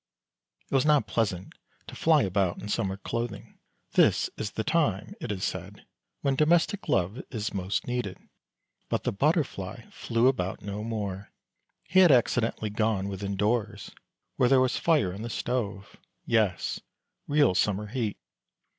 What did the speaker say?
THE BUTTERFLY 103 It was not pleasant to fly about in summer clothing; this is the time, it is said, when domestic love is most needed. But the Butterfly flew about no more. He had accidentally gone within doors, where there was fire in the stove — yes, real summer heat.